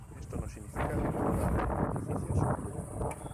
Esto no significa que no pueda haber beneficios o lucro.